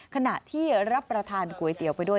ขณะที่รับประทานก๋วยเตี๋ยวไปด้วย